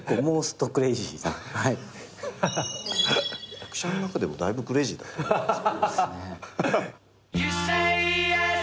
役者の中でもだいぶクレイジーだと思いますよ。